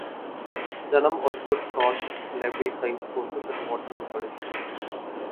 Dunham also taught library science courses at Waterloo College.